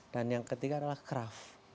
dan yang ketiga adalah craft